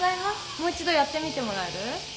もう一度やってみてもらえる？